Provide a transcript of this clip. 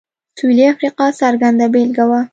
سوېلي افریقا څرګنده بېلګه وه.